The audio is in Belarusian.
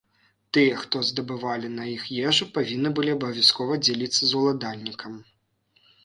Тыя, хто здабывалі на іх ежу, павінны былі абавязкова дзяліцца з уладальнікам.